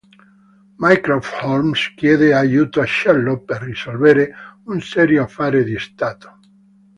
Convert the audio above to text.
Mycroft Holmes chiede aiuto a Sherlock per risolvere un serio affare di stato.